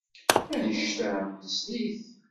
Annect-a nessen-it.